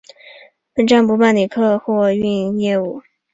本站不办理客货运业务。